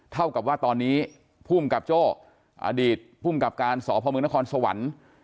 เท่ากับว่าตอนนี้ภูมิกับโจ้อดีตภูมิกับการสพมนครสวรรค์